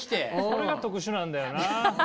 それが特殊なんだよな。